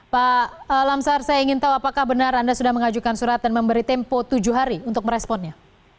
pak lamsar saya ingin tahu apakah benar anda sudah mengajukan surat dan memberi tempo tujuh hari untuk meresponnya